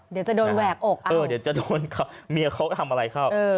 เดี๋ยวจะโดนแหวกอกเดี๋ยวจะโดนเมียเขาทำอะไรเข้า